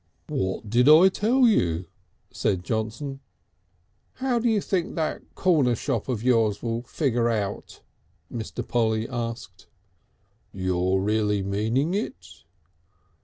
"What did I tell you?" said Johnson. "How do you think that corner shop of yours will figure out?" Mr. Polly asked. "You're really meaning it?"